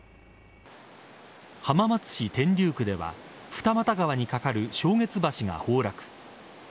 浜松市天竜区では二俣川にかかる嘯月橋が崩落。